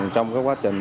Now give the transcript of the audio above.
trong cái quá trình